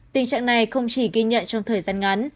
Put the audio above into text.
tình trạng này không chỉ ghi nhận trong thời gian ngắn